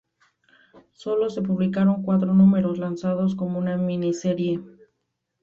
Sólo se publicaron cuatro números, lanzados como una mini serie.